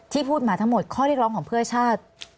พูดมาทั้งหมดข้อเรียกร้องของเพื่อชาติ